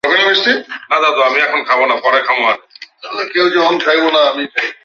কিন্তু এটি ভুল করে আসল ডোরেমনের কান খেয়ে ফেলে, যা তার মধ্যে ইঁদুর-ভীতির সঞ্চার করে।